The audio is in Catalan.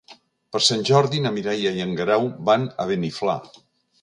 Per Sant Jordi na Mireia i en Guerau van a Beniflà.